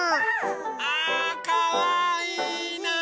あかわいいなあ！